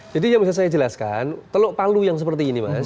jadi yang bisa saya jelaskan teluk palu yang seperti ini mas ya